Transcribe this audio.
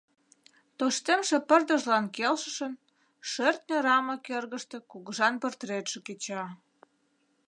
Тоштемше пырдыжлан келшышын, шӧртньӧ рама кӧргыштӧ кугыжан портретше кеча.